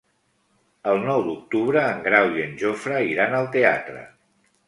El nou d'octubre en Grau i en Jofre iran al teatre.